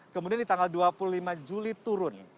kemudian di tanggal dua puluh lima juli turun